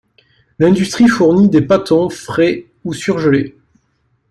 L'industrie fournit des pâtons frais ou surgelés.